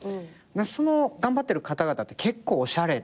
その頑張ってる方々って結構おしゃれで。